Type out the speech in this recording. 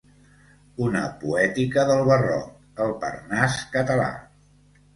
«Una poètica del Barroc: el Parnàs català».